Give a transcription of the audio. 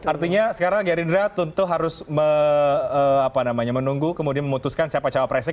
artinya sekarang gerindra tentu harus menunggu kemudian memutuskan siapa cawapresnya